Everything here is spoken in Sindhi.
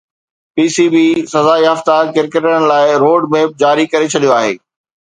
پي سي بي سزا يافته ڪرڪيٽرن لاءِ روڊ ميپ جاري ڪري ڇڏيو آهي